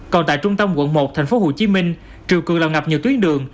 còn tại trung tâm quận một thành phố hồ chí minh triều cường lào ngập nhiều tuyến đường